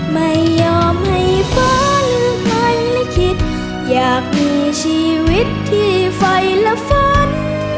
ไม่ยอมให้ฟ้าหรือใครลิ่งคิดอยากมีชีวิตที่ไฟละฝัน